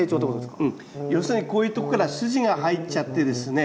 要するにこういうとこから筋が入っちゃってですね